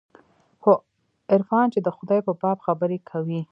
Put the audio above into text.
خو عرفان چې د خداى په باب خبرې کوي.